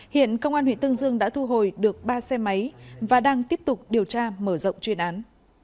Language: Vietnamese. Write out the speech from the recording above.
hiện công an huyện tương dương đã thu hồi được ba xe máy và đang tiếp tục điều tra mở rộng chuyên án